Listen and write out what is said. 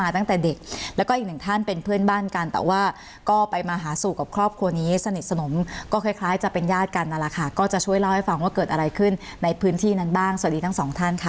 ตั้งแต่เด็กแล้วก็อีกหนึ่งท่านเป็นเพื่อนบ้านกันแต่ว่าก็ไปมาหาสู่กับครอบครัวนี้สนิทสนมก็คล้ายจะเป็นญาติกันนั่นแหละค่ะก็จะช่วยเล่าให้ฟังว่าเกิดอะไรขึ้นในพื้นที่นั้นบ้างสวัสดีทั้งสองท่านค่ะ